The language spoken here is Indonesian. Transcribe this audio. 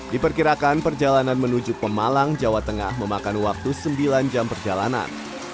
diperkirakan perjalanan menuju pemalang jawa tengah memakan waktu sembilan jam perjalanan